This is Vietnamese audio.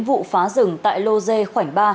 vụ phá rừng tại lô dê khoảnh ba